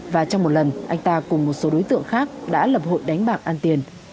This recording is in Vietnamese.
và trong một lần anh ta cùng một số đối tượng khác đã lập hội đánh bạc ăn tiền